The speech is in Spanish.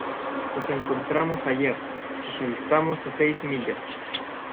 los encontramos ayer. los avistamos a seis millas .